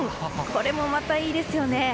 これもまたいいですよね。